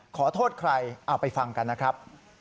ขอโทษใครเอาไปฟังกันนะครับ